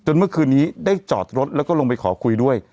เมื่อคืนนี้ได้จอดรถแล้วก็ลงไปขอคุยด้วย